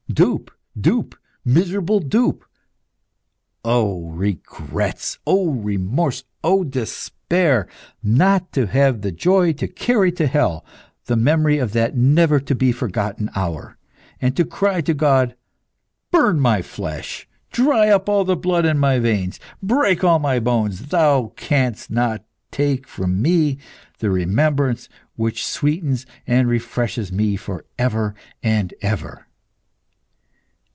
Dupe, dupe, miserable dupe! Oh, regrets! Oh, remorse! Oh, despair! Not to have the joy to carry to hell the memory of that never to be forgotten hour, and to cry to God, 'Burn my flesh, dry up all the blood in my veins, break all my bones, thou canst not take from me the remembrance which sweetens and refreshes me for ever and ever!